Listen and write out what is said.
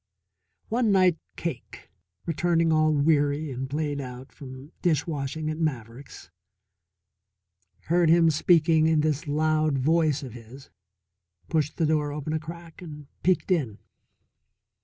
One night Cake, returning all weary and played out from dish washing at Maverick's, heard him speaking in this loud voice of his, pushed the door open a crack, and peeked in.